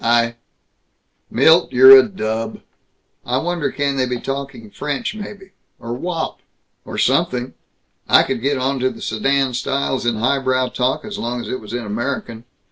I Milt, you're a dub. I wonder can they be talking French, maybe, or Wop, or something? I could get onto the sedan styles in highbrow talk as long as it was in American.